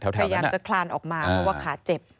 พยายามจะคลานออกมาเพราะว่าขาเจ็บ